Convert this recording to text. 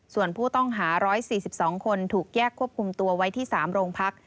ส่วนผู้ต้องหา๑๔๒คนถูกแยกควบคุมตัวไว้ที่๓โรงพัก